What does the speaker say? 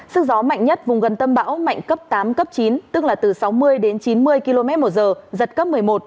sức gió mạnh nhất vùng gần tâm bão mạnh cấp tám cấp chín tức là từ sáu mươi đến chín mươi km một giờ giật cấp một mươi một